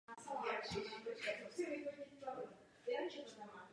Podle svého tvrzení měl být sedmý na kandidátce.